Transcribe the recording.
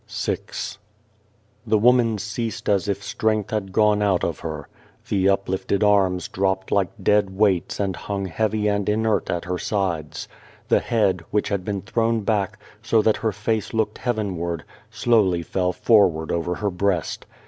296 VI THE woman ceased as if strength had gone out of her. The uplifted arms dropped like dead weights and hung heavy and inert at her sides. The head, which had been thrown back, so that her face looked heavenward, slowly fell forward over her breast.